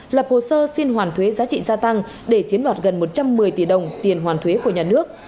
lập hồ sơ xin hoàn thuế giá trị gia tăng để chiếm đoạt gần một trăm một mươi tỷ đồng tiền hoàn thuế của nhà nước